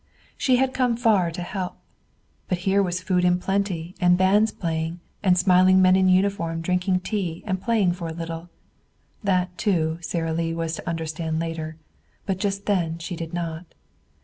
She had come far to help. But here was food in plenty and bands playing and smiling men in uniform drinking tea and playing for a little. That, too, Sara Lee was to understand later; but just then she did not.